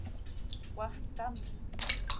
¿Cmaax tcam?